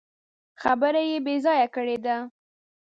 خبره يې بې ځايه کړې ده.